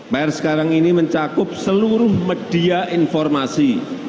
pr sekarang ini mencakup seluruh media informasi